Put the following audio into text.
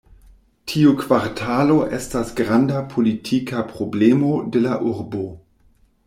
Tiu kvartalo estas granda politika problemo de la urbo.